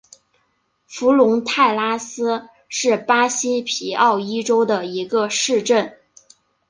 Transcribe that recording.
弗龙泰拉斯是巴西皮奥伊州的一个市镇。